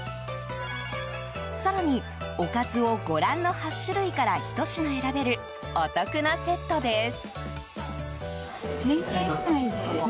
更に、おかずをご覧の８種類からひと品選べるお得なセットです。